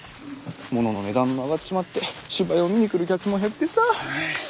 ものの値段も上がっちまって芝居を見に来る客も減ってさ。